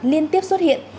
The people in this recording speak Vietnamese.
liên tiếp xuất hiện